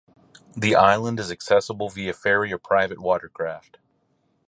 The island is accessible via ferry or private watercraft.